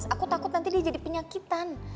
aku takut nanti dia jadi penyakitan